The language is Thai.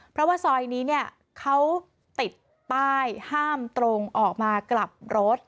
เพราะว่าซอยนี้เนี่ยเขาติดป้ายห้ามตรงออกมากลับรถ